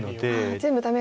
全部ダメが。